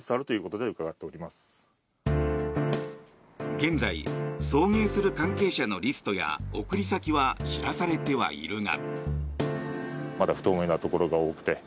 現在、送迎する関係者のリストや送り先は知らされてはいるが。